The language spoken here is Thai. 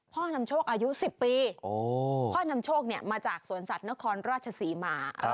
นำโชคอายุ๑๐ปีพ่อนำโชคมาจากสวนสัตว์นครราชศรีมา